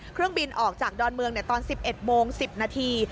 เครื่องบินออกจากดอนเมืองตอน๑๑โมง๑๐นาที